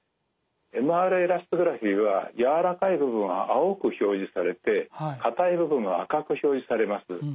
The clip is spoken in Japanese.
ＭＲエラストグラフィは軟らかい部分は青く表示されて硬い部分は赤く表示されます。